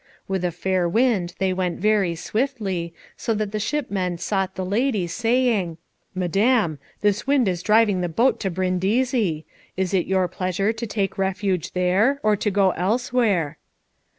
With a fair wind they went very swiftly, so that the shipmen sought the lady, saying, "Madam, this wind is driving the boat to Brindisi. Is it your pleasure to take refuge there, or to go elsewhere?"